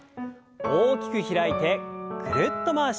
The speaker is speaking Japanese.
大きく開いてぐるっと回します。